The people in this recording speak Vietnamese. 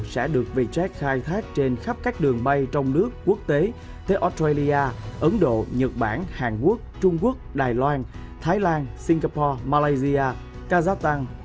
sẽ được vietjet khai thác trên khắp các đường bay trong nước quốc tế tới australia ấn độ nhật bản hàn quốc trung quốc đài loan thái lan singapore malaysia kazakh